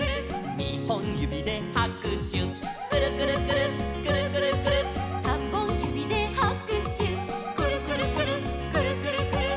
「にほんゆびではくしゅ」「くるくるくるっくるくるくるっ」「さんぼんゆびではくしゅ」「くるくるくるっくるくるくるっ」